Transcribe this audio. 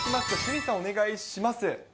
鷲見さん、お願いします。